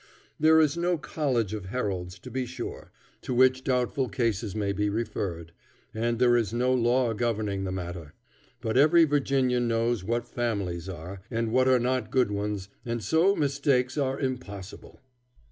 There is no college of heralds, to be sure, to which doubtful cases may be referred, and there is no law governing the matter; but every Virginian knows what families are, and what are not good ones, and so mistakes are impossible.